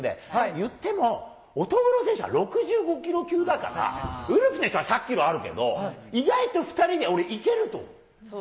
いっても乙黒選手は６５キロ級だから、ウルフ選手は１００キロあるけど、意外と２人で俺、いけると思う。